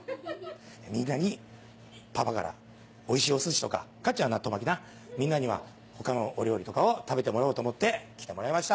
みんなにパパからおいしいお寿司とかカッちゃんは納豆巻きなみんなには他のお料理とかを食べてもらおうと思って来てもらいました。